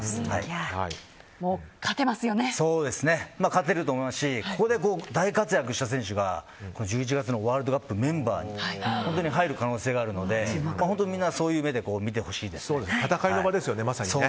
勝てると思いますしここで大活躍した選手が１１月のワールドカップのメンバーに入る可能性があるので本当にみんなそういう目で戦いの場ですよね、まさにね。